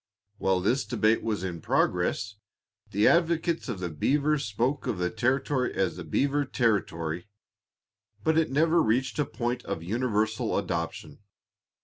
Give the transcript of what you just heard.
While this debate was in progress the advocates of the beaver spoke of the territory as the beaver territory, but it never reached a point of universal adoption.